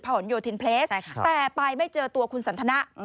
หนโยธินเพลสแต่ไปไม่เจอตัวคุณสันทนะ